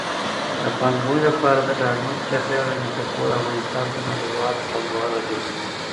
د پانګونې لپاره د ډاډمن چاپېریال رامنځته کول افغانستان ته نړیوال پانګوال راجلبوي.